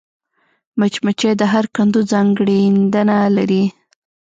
مچمچۍ د هر کندو ځانګړېندنه لري